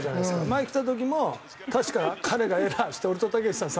前来た時も確か彼がエラーして俺とたけしさん